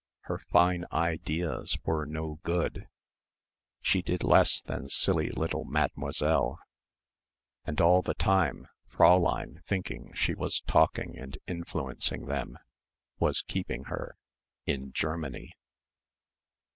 Her fine ideas were no good. She did less than silly little Mademoiselle. And all the time Fräulein thinking she was talking and influencing them was keeping her ... in Germany.